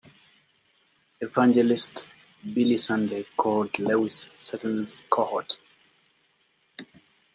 Evangelist Billy Sunday called Lewis "Satan's cohort".